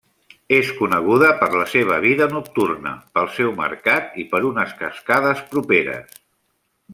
És coneguda per la seva vida nocturna, pel seu mercat i per unes cascades properes.